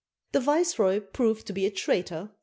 The viceroy proved to be a traitor.